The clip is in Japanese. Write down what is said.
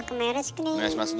お願いします。